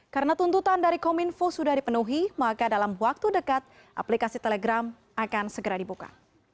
karena tuntutan dari kominfo sudah dipenuhi maka dalam waktu dekat aplikasi telegram akan segera dibuka